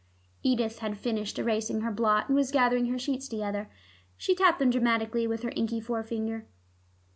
Edith had finished erasing her blot, and was gathering her sheets together. She tapped them dramatically with an inky forefinger.